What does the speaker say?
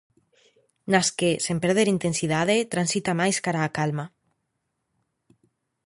Nas que, sen perder intensidade, transita máis cara á calma.